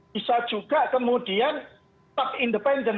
bisa juga kemudian top independen